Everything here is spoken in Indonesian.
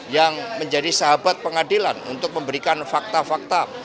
yang menjadi sahabat pengadilan untuk memberikan fakta fakta